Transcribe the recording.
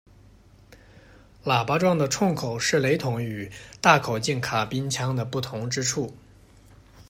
喇叭状的铳口是雷筒与大口径卡宾枪的不同之处。